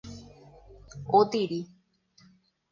Otiri